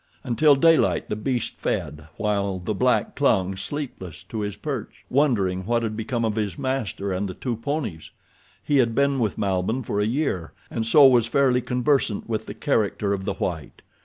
Until daylight the beast fed, while the black clung, sleepless, to his perch, wondering what had become of his master and the two ponies. He had been with Malbihn for a year, and so was fairly conversant with the character of the white.